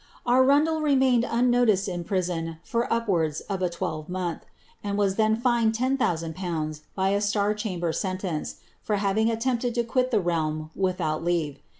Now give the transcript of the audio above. ^mained unnoticed in prison for upwards of a twelvemonth, n fined ten thousand pounds by a star chamber sentence, tempted to quit the realm without leave.